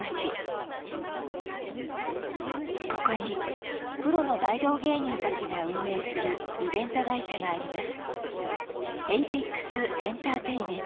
ここにプロの大道芸人たちが運営するイベント会社があります